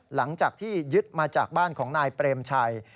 หลังจากที่ยึดมาจากบ้านของนายเปรมชัย